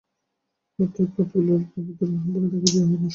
অতএব পথগুলি অল্পবিস্তর অসম্পূর্ণ থাকিবেই, ইহা নিঃসন্দেহ।